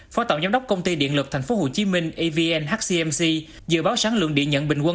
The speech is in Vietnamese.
phó tổng giám đốc công ty điện lực tp hcm evn hcmc dự báo sản lượng điện nhận bình quân